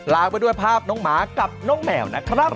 ไปด้วยภาพน้องหมากับน้องแมวนะครับ